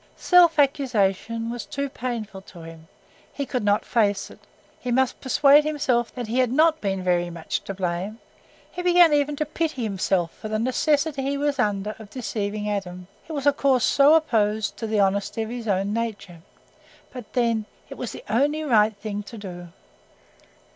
Self accusation was too painful to him—he could not face it. He must persuade himself that he had not been very much to blame; he began even to pity himself for the necessity he was under of deceiving Adam—it was a course so opposed to the honesty of his own nature. But then, it was the only right thing to do.